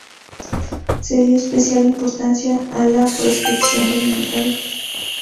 Se dio especial importancia a la prospección de minerales.